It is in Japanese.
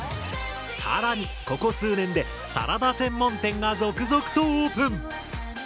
更にここ数年でサラダ専門店が続々とオープン！